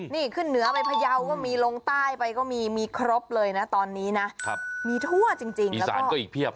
นี่ขึ้นเหนือไปพยาวก็มีลงใต้ไปก็มีมีครบเลยนะตอนนี้นะมีทั่วจริงอีสานก็อีกเพียบ